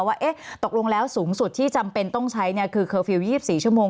ว่าตกลงแล้วสูงสุดที่จำเป็นต้องใช้คือเคอร์ฟิลล์๒๔ชั่วโมง